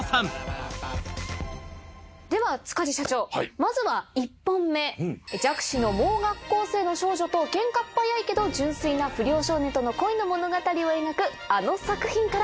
まずは１本目弱視の盲学校生の少女とケンカっ早いけど純粋な不良少年との恋の物語を描くあの作品から。